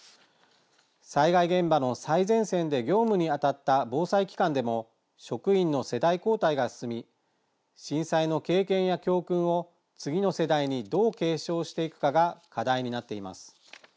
災害現場の最前線で業務に当たった防災機関でも職員の世代交代が進み震災の経験や教訓を次の世代にどう継承していくかが課題になっています。